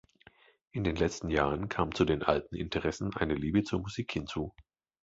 In den letzten Jahren kam zu den alten Interessen eine Liebe zur Musik hinzu.